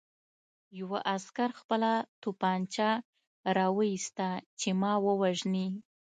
یوه عسکر خپله توپانچه را وویسته چې ما ووژني